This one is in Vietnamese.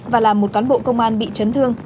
và làm một cán bộ công an bị chấn thương